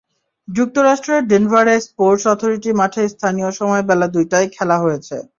যুক্তরাষ্ট্রের ডেনভারে sports authority মাঠে স্থানীয় সময় বেলা দুইটায় খেলা হয়েছে।